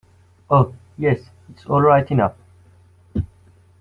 Oh, yes, it's all right enough.